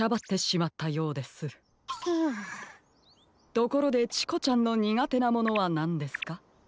ところでチコちゃんのにがてなものはなんですか？